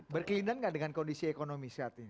berkelindang nggak dengan kondisi ekonomi